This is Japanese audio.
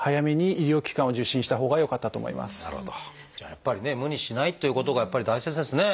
やっぱりね無理しないということがやっぱり大切ですね。